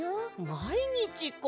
まいにちか。